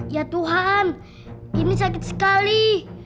ya tuhan ini sakit sekali